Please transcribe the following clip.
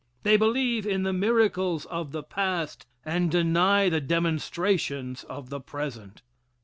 They believe in the miracles of the past, and deny the demonstrations of the present.